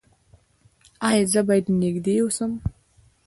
ایا زه باید نږدې اوسم؟